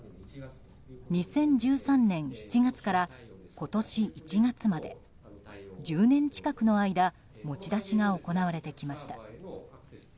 ２０１３年７月から今年１月まで１０年近くの間持ち出しが行われてきました。